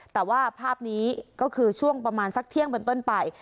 แต่ว่าภาพนี้ก็คือช่วงประมาณสักเที่ยงบนต้นไป